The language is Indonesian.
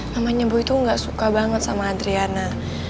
mamanya boy tuh gak suka banget sama adriana